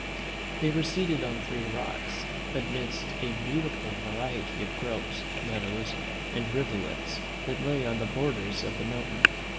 They were seated on three rocks, amidst a beautiful variety of groves, meadows, and rivulets that lay on the borders of the mountain.